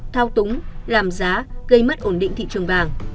thao túng làm giá gây mất ổn định thị trường vàng